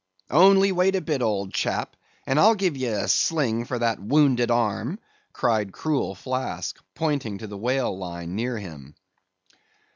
"Only wait a bit, old chap, and I'll give ye a sling for that wounded arm," cried cruel Flask, pointing to the whale line near him.